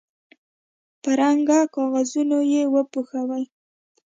په رنګه کاغذونو یې وپوښوئ.